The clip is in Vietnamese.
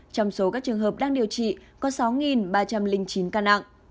trong số các trường hợp đang điều trị có sáu ba trăm ba mươi năm